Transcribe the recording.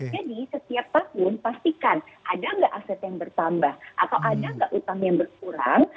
jadi setiap tahun pastikan ada nggak aset yang bertambah atau ada nggak utang yang berkurang